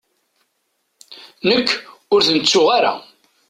Nekk, ur ten-ttuɣ ara.